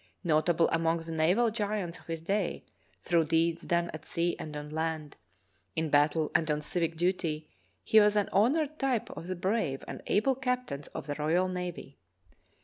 Notable among the naval giants of his day through deeds done at sea and on land, in battle and on civic duty, he was an honored type of the brave and able captains of the royal navy.